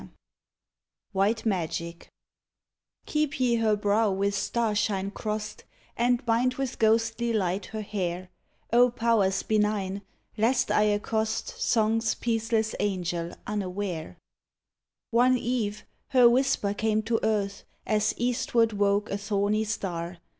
113 WHITE MAGIC Keep ye her brow with starshine crost And bind with ghostly light her hair, O powers benign, lest I accost Song's peaceless angel unaware I One eve her whisper came to earth, As eastward woke a thorny star.